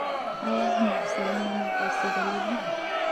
ایا مفصلونه مو پړسیدلي دي؟